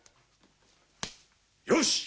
よし！